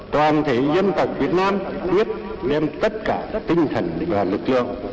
toàn thể dân tộc việt nam quyết nêm tất cả tinh thần và lực lượng